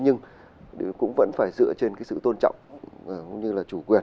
nhưng cũng vẫn phải dựa trên sự tôn trọng